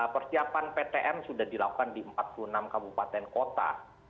persiapan ptm sudah dilakukan di empat puluh enam kabupaten kota